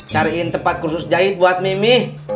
cariin tempat kursus jahit buat nimi